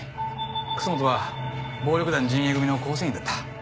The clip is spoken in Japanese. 楠本は暴力団仁英組の構成員だった。